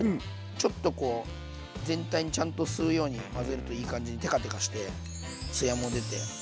ちょっとこう全体にちゃんと吸うように混ぜるといい感じにテカテカしてツヤも出て。